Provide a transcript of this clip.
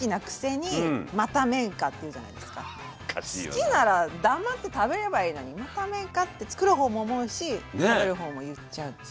好きなら黙って食べればいいのに「また麺か」ってつくる方も思うし食べる方も言っちゃうっていう。